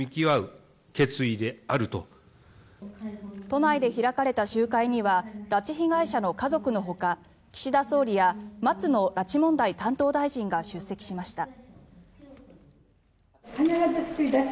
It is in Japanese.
都内で開かれた集会には拉致被害者の家族のほか岸田総理や松野拉致問題担当大臣が出席しました。